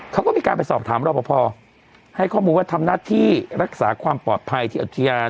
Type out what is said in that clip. เขาก็มีการไปสอบถามรอปภให้ข้อมูลว่าทำหน้าที่รักษาความปลอดภัยที่อุทยาน